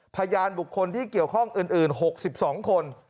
พยานบุคคลที่เกี่ยวข้องอื่น๖๒คน